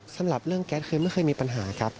สำหรับเรื่องแก๊สคือไม่เคยมีปัญหาครับ